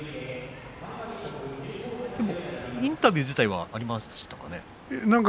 インタビュー自体はありましたか。